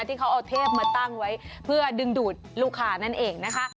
ที่เขาเอาเทพมาตั้งไว้เพื่อดึงดูดลูกค้านั่นเองนะคะ